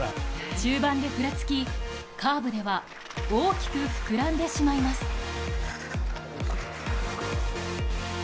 中盤でふらつき、カーブでは大きく膨らんでしまいます。